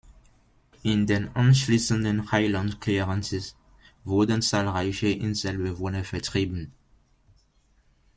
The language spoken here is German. In den anschließenden Highland Clearances wurden zahlreiche Inselbewohner vertrieben.